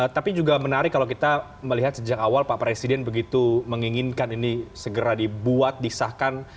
tapi juga menarik kalau kita melihat sejak awal pak presiden begitu menginginkan ini segera dibuat disahkan